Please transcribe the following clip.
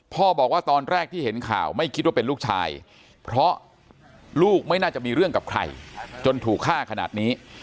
พ่อบอกว่าตอนแรกที่เห็นข่าวไม่คิดว่าเป็นลูกชายเพราะลูกไม่น่าจะมีเรื่องกับใครจนถูกฆ่าขนาดนี้